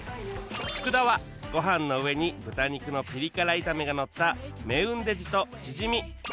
福田はご飯の上に豚肉のピリ辛炒めがのったメウンデジとチヂミ